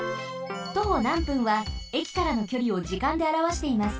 徒歩なん分は駅からのきょりを時間であらわしています。